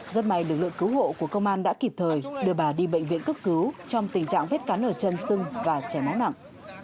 rất may lực lượng cứu hộ của công an đã kịp thời đưa bà đi bệnh viện cấp cứu trong tình trạng vết cắn ở chân sưng và chảy máu nặng